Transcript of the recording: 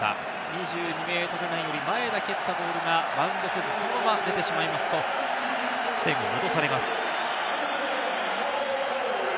２２ｍラインより前で蹴ったボールがバウンドせず、そのまま出てしまいますと、地点に戻されます。